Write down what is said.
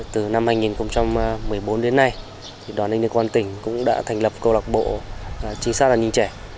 từ năm hai nghìn một mươi bốn đến nay đoàn anh đơn quan tỉnh cũng đã thành lập câu lạc bộ chính xác là nhìn trẻ